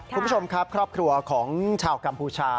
คุณผู้ชมครับครอบครัวของชาวกัมพูชา